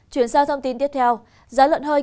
chuyển sang thông tin tiếp theo giá lợn hơi